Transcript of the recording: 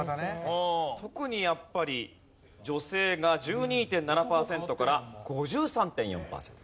特にやっぱり女性が１２．７パーセントから５３．４パーセント。